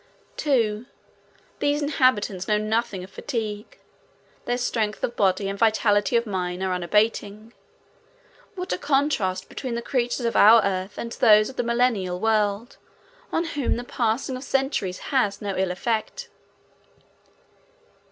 2. These inhabitants know nothing of fatigue. Their strength of body and vitality of mind are unabating. What a contrast between the creatures of our Earth and those of the Millennial world on whom the passing of centuries has no ill effect.